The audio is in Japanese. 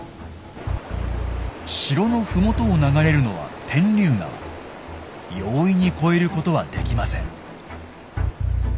城の麓を流れるのは容易に越えることはできません。